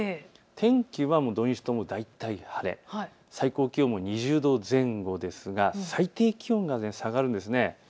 天気は土日とも大体晴れ、最高気温も２０度前後ですが最低気温が下がるんです。